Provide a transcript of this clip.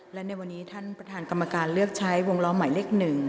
และในวันนี้ท่านประธานกรรมการเลือกใช้วงล้อหมายเลข๑